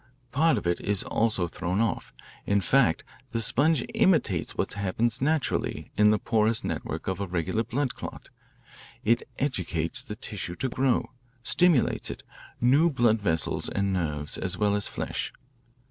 Part of it is also thrown off. In fact, the sponge imitates what happens naturally in the porous network of a regular blood clot. It educates the tissue to grow, stimulates it new blood vessels and nerves as well as flesh.